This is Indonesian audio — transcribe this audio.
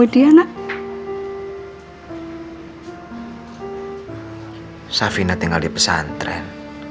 davina tinggal di pesantren